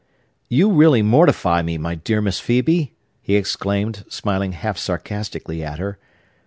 "You really mortify me, my dear Miss Phœbe!" he exclaimed, smiling half sarcastically at her.